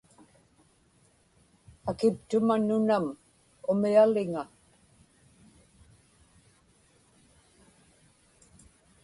akiptuma nunam umialiŋa